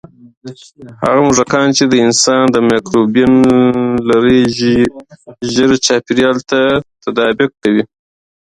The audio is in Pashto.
هغه موږکان چې د انسان مایکروبیوم لري، ژر چاپېریال ته تطابق کوي.